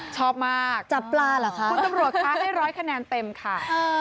ชอบมากจับปลาเหรอคะคุณตำรวจคะให้ร้อยคะแนนเต็มค่ะ